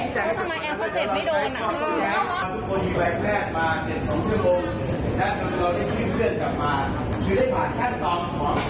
ถูกต้อง